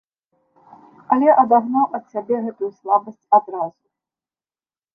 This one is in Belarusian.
Але адагнаў ад сябе гэтую слабасць адразу.